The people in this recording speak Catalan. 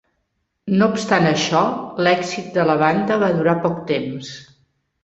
No obstant això, l'èxit de la banda va durar poc temps.